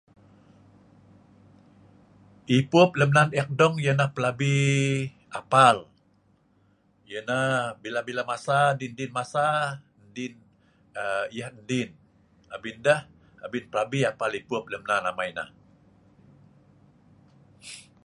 Ipup nok lem nan ek dong wai, pelabi apal ipup, din-din parab siu lak ndin abin pelabi a pal ipup lem nan amai nai.